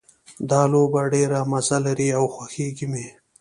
دا لوبه ډېره مزه لري او خوښیږي مې